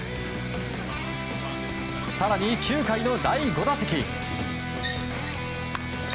更に、９回の第５打席。